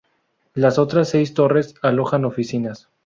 Las otras seis torres alojan oficinas.